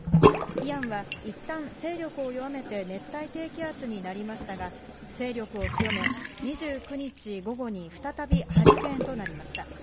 イアンはいったん勢力を弱めて、熱帯低気圧になりましたが、勢力を強め、２９日午後に再びハリケーンとなりました。